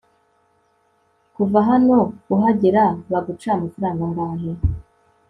Kuva hano uhagera baguca amafaranga angahe